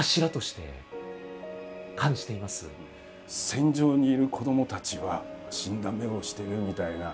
戦場にいる子どもたちは死んだ目をしてるみたいな。